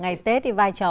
ngày tết thì vai trò